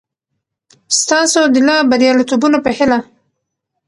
ستاسو د لا بریالیتوبونو په هیله!